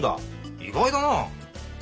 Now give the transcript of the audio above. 意外だな。